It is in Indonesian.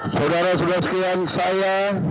saudara saudara sekian saya